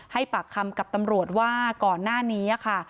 ให้ปากคำกับตำรวจว่าก่อนหน้านี้ค่ะ